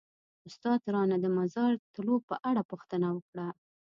استاد رانه د مزار تلو په اړه پوښتنه وکړه.